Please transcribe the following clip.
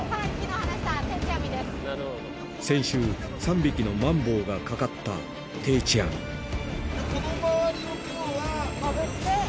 先週３匹のマンボウがかかった定置網探す。